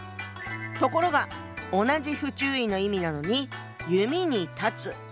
ところが同じ不注意の意味なのに「弓」に「断つ」。